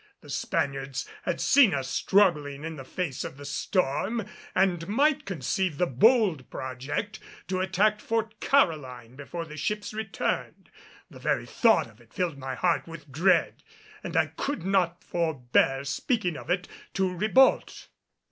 The Spaniards had seen us struggling in the face of the storm and might conceive the bold project to attack Fort Caroline before the ships returned. The very thought of it filled my heart with dread, and I could not forbear speaking of it to Ribault.